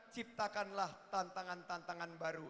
ciptakanlah tantangan tantangan baru